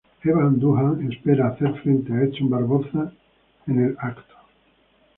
Evan Dunham se espera hacer frente a Edson Barboza en el evento.